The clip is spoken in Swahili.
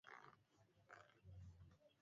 Uh-uh, si Kathrine